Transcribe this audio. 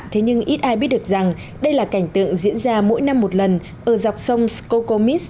thế nhưng ít ai biết được rằng đây là cảnh tượng diễn ra mỗi năm một lần ở dọc sông scotomis